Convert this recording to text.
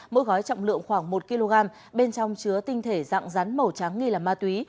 mỗi gói trọng lượng khoảng một kg bên trong chứa tinh thể dạng rắn màu trắng nghi là ma túy